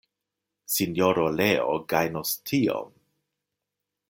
Sinjoro Leo gajnos tiom.